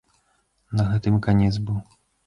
На гэтым і канец быў.